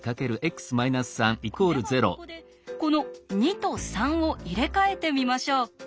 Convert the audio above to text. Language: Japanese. ではここでこの２と３を入れ替えてみましょう。